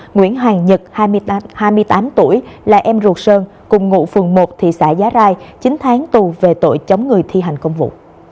nguyễn hoàng nhật hai mươi tám tuổi là em ruột sơn cùng ngụ phường một thị xã giá rai chín tháng tù về tội chống người thi hành công vụ